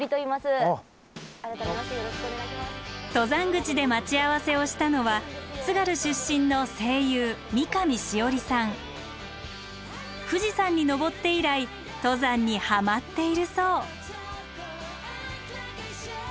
登山口で待ち合わせをしたのは津軽出身の富士山に登って以来登山にハマっているそう。